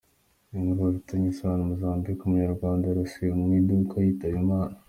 Inkuru bifitanye isano:Mozambique: Umunyarwanda yarasiwe mu iduka yitaba Imana.